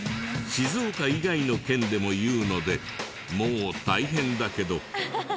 静岡以外の県でも言うのでもう大変だけど。